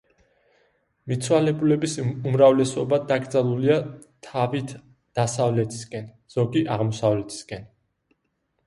მიცვალებულების უმრავლესობა დაკრძალულია თავით დასავლეთისკენ, ზოგი აღმოსავლეთისკენ.